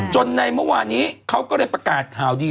ในเมื่อวานี้เขาก็เลยประกาศข่าวดี